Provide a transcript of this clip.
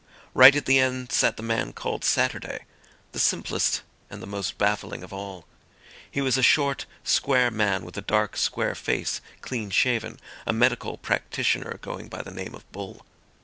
Right at the end sat the man called Saturday, the simplest and the most baffling of all. He was a short, square man with a dark, square face clean shaven, a medical practitioner going by the name of Bull.